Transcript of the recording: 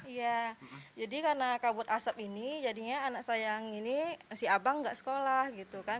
iya jadi karena kabut asap ini jadinya anak sayang ini si abang nggak sekolah gitu kan